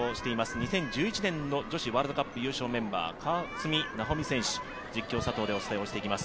２０１１年の女子ワールドカップ代表メンバー、川澄奈穂美選手、実況・佐藤でお伝えしていきます。